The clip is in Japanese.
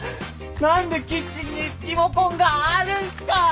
何でキッチンにリモコンがあるんすか！？